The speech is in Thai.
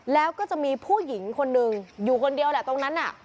แล้วก็จะมีผู้หญิงคนนึงอยู่คนเดียวแหละตรงนั้นน่ะ